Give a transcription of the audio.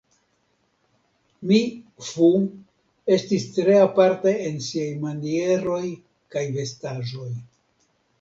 Mi Fu estis tre aparta en siaj manieroj kaj vestaĵoj.